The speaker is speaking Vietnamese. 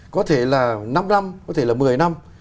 có thể là năm năm có thể là một mươi năm